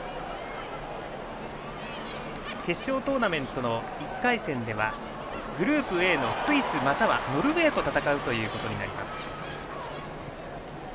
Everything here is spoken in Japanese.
決勝トーナメントの１回戦ではグループＡのスイスまたはノルウェーと戦うことになります。